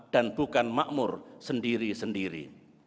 dan bukan makmur sendiri sendiri